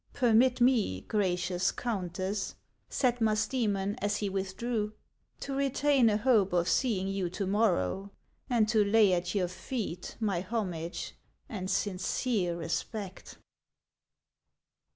<: Permit me, gracious Countess/'' said Musdoemon, as he withdrew, " to retain a hope of seeing you to morrow, and to lay at your feet my homage and sincere respect."